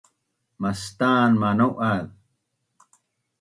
Mastan manau’az